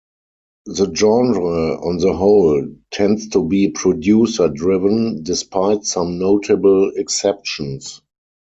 The genre, on the whole, tends to be producer-driven, despite some notable exceptions.